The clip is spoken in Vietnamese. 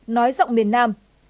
nói giọng miền nam